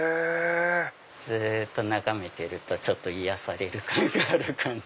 ずっと眺めているとちょっと癒やされる感がある。